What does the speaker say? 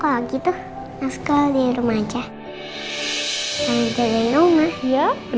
ya udah dia kalau gitu